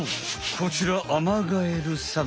こちらアマガエルさん。